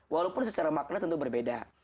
walaupun secara makna tentu berbeda